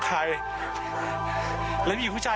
สวัสดีครับทุกคน